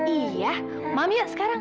iya mam yuk sekarang